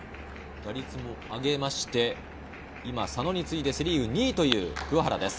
打率も上げて今、佐野についでセ・リーグ２位という桑原です。